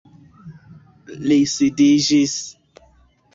Li sidiĝis.